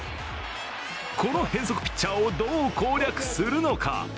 この変則ピッチャーをどう攻略するのか。